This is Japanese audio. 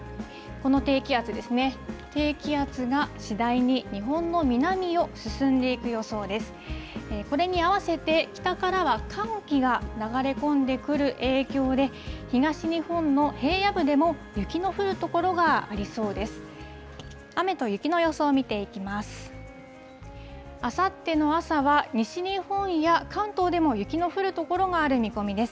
これに合わせて、北からは寒気が流れ込んでくる影響で、東日本の平野部でも雪の降る所がありそうです。